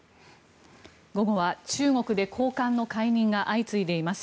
午後は中国で高官の解任が相次いでいます。